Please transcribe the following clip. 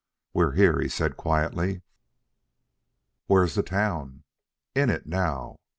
"We're here," he said quietly. "Where's the town?" "In it now."